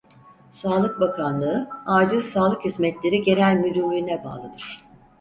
Sağlık Bakanlığı Acil Sağlık Hizmetleri Genel Müdürlüğü'ne bağlıdır.